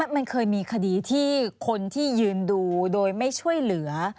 มันเคยมีคดีที่คนที่ยืนดูโดยไม่ช่วยเหลือ